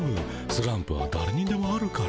スランプはだれにでもあるから。